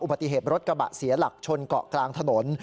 ปฏิเหตุรถกระบะเสียหลักชนเกาะกลางถนน